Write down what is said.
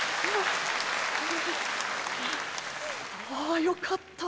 「あよかった。